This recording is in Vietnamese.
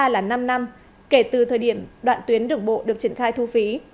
là năm năm kể từ thời điểm đoạn tuyến đường bộ được triển khai thu phí